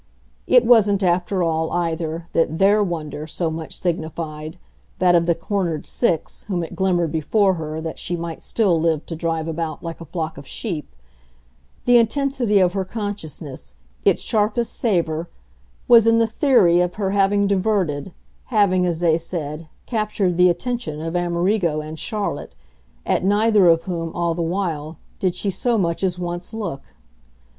It wasn't after all, either, that THEIR wonder so much signified that of the cornered six, whom it glimmered before her that she might still live to drive about like a flock of sheep: the intensity of her consciousness, its sharpest savour, was in the theory of her having diverted, having, as they said, captured the attention of Amerigo and Charlotte, at neither of whom, all the while, did she so much as once look.